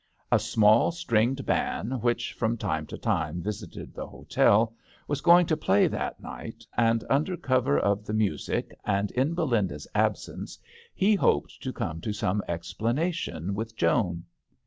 A small stringed band, which from 40 THE h6tel d'angleterrk. time to time visited the hoteli was going to play that night, and under cover of the music and in Belinda's absence, he hoped to come to some explanation with Joan.